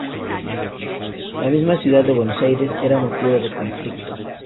La misma ciudad de Buenos Aires era motivo de conflicto.